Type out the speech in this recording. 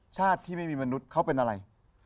ชาติที่ไม่มีมนุษย์เขาเป็นอะไร